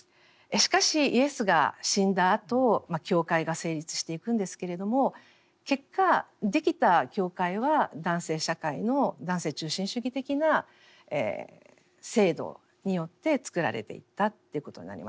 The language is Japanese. しかしイエスが死んだあと教会が成立していくんですけれども結果できた教会は男性社会の男性中心主義的な制度によってつくられていったっていうことになります。